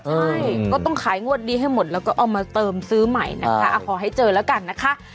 ใช่ก็ต้องขายงวดนี้ให้หมดแล้วก็เอามาเติมซื้อใหม่นะคะขอให้เจอแล้วกันนะคะ